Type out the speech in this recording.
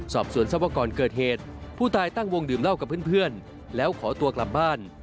สอบสวนทรัพย์ก่อนเกิดเหตุผู้ตายตั้งวงดื่มเหล้ากับเพื่อนแล้วขอตัวกลับบ้าน